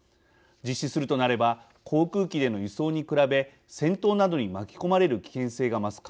実施するとなれば航空機での輸送に比べ戦闘などに巻き込まれる危険性が増す可能性があります。